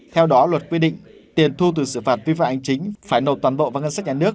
theo đó luật quy định tiền thu từ xử phạt vi phạm hành chính phải nộp toàn bộ vào ngân sách nhà nước